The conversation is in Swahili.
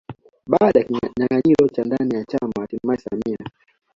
Baada ya kinyanganyiro cha ndani ya chama hatimaye samia